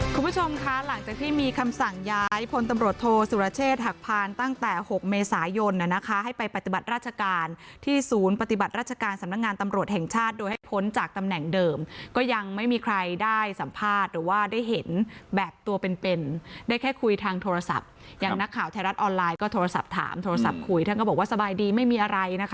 คุณผู้ชมค่ะหลังจากที่มีคำสั่งย้ายพลตำรวจโทษศุรเชษฐ์หักพานตั้งแต่๖เมษายนนะคะให้ไปปฏิบัติราชการที่ศูนย์ปฏิบัติราชการสำนักงานตำรวจแห่งชาติโดยให้พ้นจากตำแหน่งเดิมก็ยังไม่มีใครได้สัมภาษณ์หรือว่าได้เห็นแบบตัวเป็นได้แค่คุยทางโทรศัพท์อย่างนักข่าวไทยรั